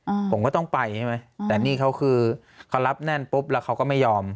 อืมผมก็ต้องไปใช่ไหมแต่นี่เขาคือเขารับแน่นปุ๊บแล้วเขาก็ไม่ยอม